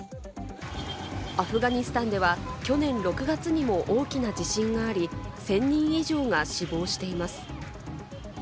アフガニスタンでは去年６月にも大きな地震があり、１０００人以上が死亡しています。